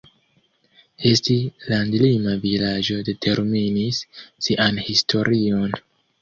Esti landlima vilaĝo determinis sian historion.